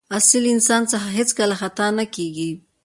اصیل انسان څخه هېڅکله خطا نه کېږي.